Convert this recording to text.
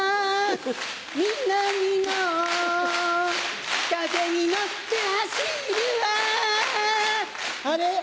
南の風に乗って走るわあれ？